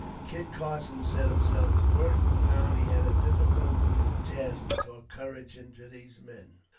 Kit Carson set himself to work, but found he had a difficult task to talk courage into these men.